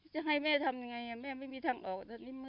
จะให้แม่ทำยังไงแม่ไม่มีทางออก